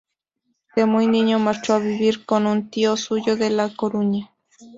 De muy niño marchó a vivir con un tío suyo en La Coruña.